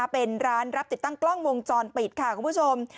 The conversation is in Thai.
เป็นร้านรับติดตั้งกล้องวงจรปิดค่ะคุณผู้ชม